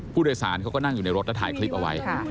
ผู้โดยสารเขาก็นั่งอยู่ในรถแล้วถ่ายคลิปเอาไว้